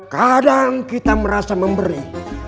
kadang kita merasa memberi